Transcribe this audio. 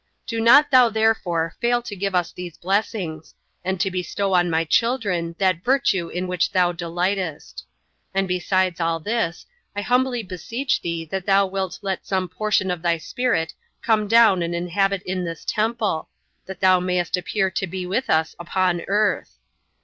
Do not thou therefore fail to give us these blessings, and to bestow on my children that virtue in which thou delightest. And besides all this, I humbly beseech thee that thou wilt let some portion of thy Spirit come down and inhabit in this temple, that thou mayst appear to be with us upon earth.